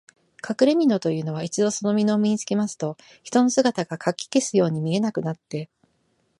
かくれみのというのは、一度そのみのを身につけますと、人の姿がかき消すように見えなくなって、